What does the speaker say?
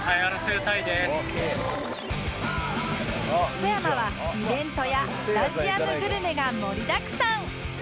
富山はイベントやスタジアムグルメが盛りだくさん